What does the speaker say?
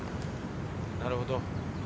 なるほど。